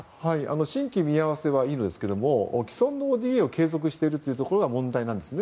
新規見合わせはいいんですが既存のＯＤＡを継続しているのが問題なんですね。